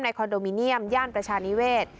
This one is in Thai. คอนโดมิเนียมย่านประชานิเวศ